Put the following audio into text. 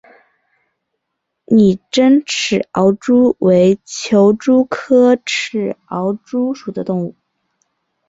拟珍齿螯蛛为球蛛科齿螯蛛属的动物。